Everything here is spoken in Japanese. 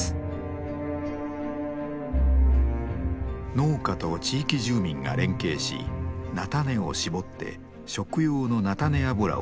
農家と地域住民が連携し菜種を搾って食用の菜種油を生産しています。